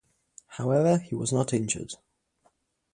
However he was not injured.